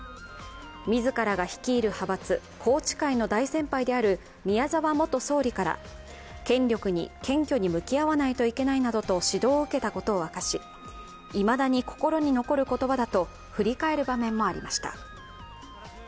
自らが率いる派閥、宏池会の大先輩である宮澤元総理から権力に謙虚に向き合わないといけないなどと指導を受けたことを明かし、いまだに心に残る言葉だと振り返る場面もありました。